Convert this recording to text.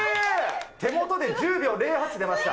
手元で１０秒０８出ました。